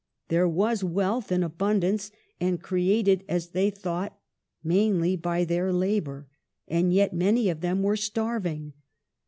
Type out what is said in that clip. There was wealth in abundance, and created, as they thought, mainly by their labour, and yet many of them were starving.